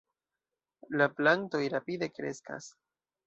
La plantoj rapide kreskas.